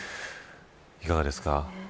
いかがですか。